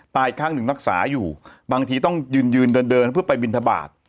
ตายข้างหนึ่งนักศึกษาอยู่บางทีต้องยืนยืนเดินเพื่อไปวินทบาท